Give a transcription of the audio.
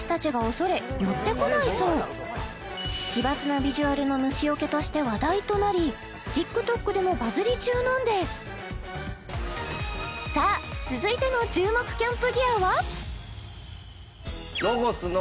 奇抜なビジュアルの虫除けとして話題となりＴｉｋＴｏｋでもバズり中なんですさあ続いての注目キャンプギアは？